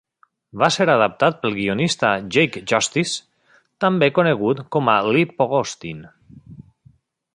Va ser adaptat pel guionista Jake Justiz, també conegut com a Lee Pogostin.